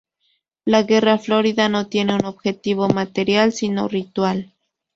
La guerra florida no tiene un objetivo material sino ritual.